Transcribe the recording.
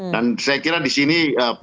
dan saya kira di sini